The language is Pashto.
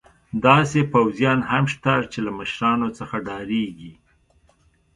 داسې پوځیان هم شته چې له مشرانو څخه ډارېږي.